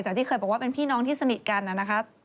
ที่เคยบอกว่าเป็นพี่น้องที่สนิทกันนะคะ